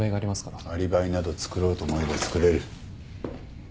アリバイなど作ろうと思えば作れる。